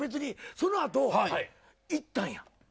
その後、行ったんや。